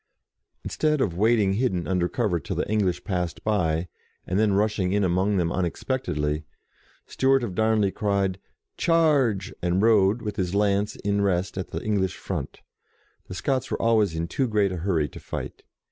Instead of waiting hidden under cover till the English passed by, and then rush ing among them unexpectedly, Stewart of Darnley cried, " Charge !" and rode, with his lance in rest at the English front. The Scots were always in too great a hurry to fight.